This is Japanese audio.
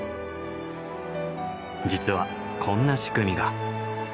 実はこんな仕組みが。